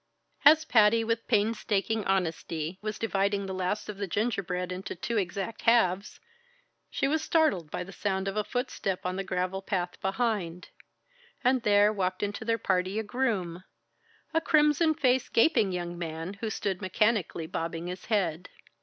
As Patty, with painstaking honesty, was dividing the last of the gingerbread into two exact halves, she was startled by the sound of a footstep on the gravel path behind; and there walked into their party a groom a crimson faced, gaping young man who stood mechanically bobbing his head.